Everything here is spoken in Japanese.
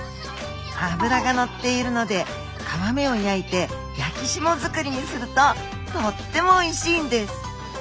脂が乗っているので皮目を焼いて焼き霜づくりにするととってもおいしいんです！